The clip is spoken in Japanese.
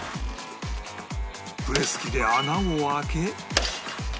プレス機で穴を開け